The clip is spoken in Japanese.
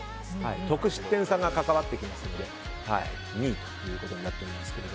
得失点差が関わってきますので２位ということになっています。